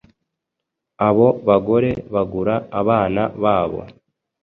abo bagore bagura abana babo